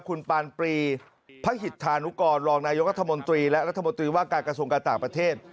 คุณปานปรีพระหิตธานุกรรองนายกรัฐมนตรีและรัฐมนตรีว่าการกระทรวงการต่างประเทศ